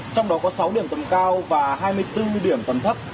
trong đó có sáu điểm tầm cao và hai mươi bốn điểm tầm thấp